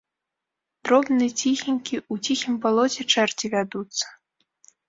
Дробны, ціхенькі, у ціхім балоце чэрці вядуцца.